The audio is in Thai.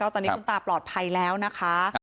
ตอนนี้คุณตาปลอดภัยแล้วนะคะ